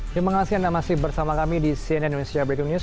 terima kasih anda masih bersama kami di cnn indonesia breaking news